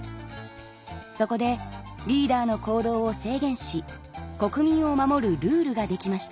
そこでリーダーの行動を制限し国民を守るルールができました。